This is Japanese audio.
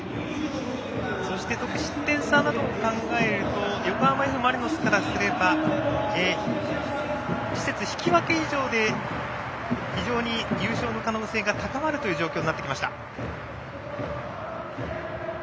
得失点差などを考えると横浜Ｆ・マリノスからすれば次節、引き分け以上で非常に優勝の可能性が高まるという状況になってきました。